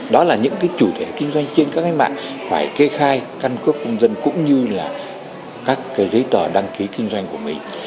đó là những cái chủ thể kinh doanh trên các mạng phải kê khai căn cước công dân cũng như là các giấy tờ đăng ký kinh doanh của mình